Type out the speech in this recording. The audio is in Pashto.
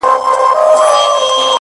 ما د هغې له سونډو څو ځلې زبېښلي شراب